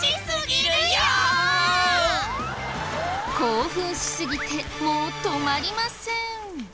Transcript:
興奮しすぎてもう止まりません。